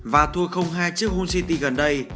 và thua hai trước hull city gần đây